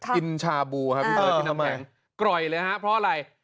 กินชาบูครับที่น้ำแหงกร่อยเลยฮะเพราะอะไร